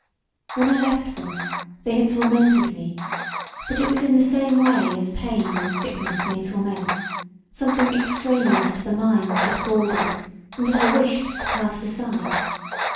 When I left them they had tormented me but it was in the same way as pain and sickness may torment; somthing extraneous to the mind that galled it, and that I wished to cast aside.